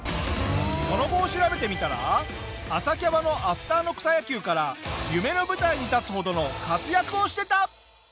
その後を調べてみたら朝キャバのアフターの草野球から夢の舞台に立つほどの活躍をしてた！